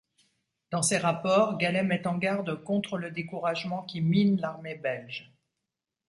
Dans ses rapports Gallet met en garde contre le découragement qui mine l'armée belge.